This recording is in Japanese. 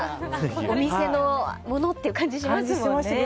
お店のものっていう感じがしますよね。